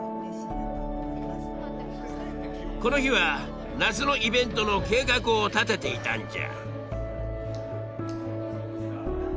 この日は夏のイベントの計画を立てていたんじゃ。